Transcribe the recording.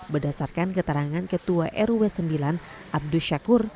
berdasarkan keterangan ketua rw sembilan abdus syakur